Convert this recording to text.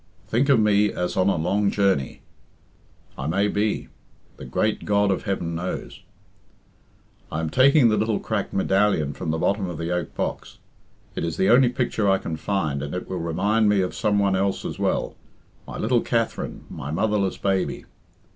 Think of me as on a long journey. I may be the Great God of heaven knows. "I am taking the little cracked medallion from the bottom of the oak box. It is the only picture I can find, and it will remind me of some one else as well my little Katherine, my motherless baby.